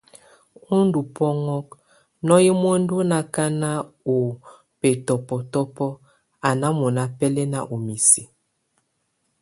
O ndobɔŋɔk nɔ́ye muendu nakan o betɔbɔtɔbɔk, a ná mona bɛlɛn o misi.